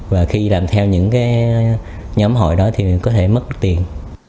và khi làm theo những nhóm hội đó thì có thể mất tiền